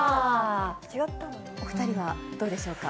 お２人はどうでしょうか。